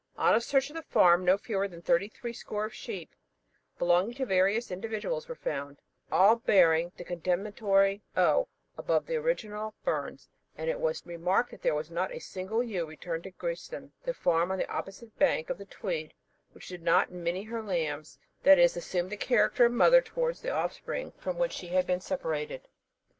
On a search of the farm, no fewer than thirty three score of sheep belonging to various individuals were found, all bearing the condemnatory O above the original birns; and it was remarked that there was not a single ewe returned to Grieston, the farm on the opposite bank of the Tweed, which did not minny her lambs that is, assume the character of mother towards the offspring from which she had been separated.